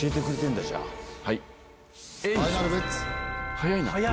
早いな。